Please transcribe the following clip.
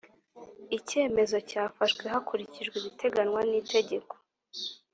icyemezo cyafashwe hakurikijwe ibiteganywa n’itegeko.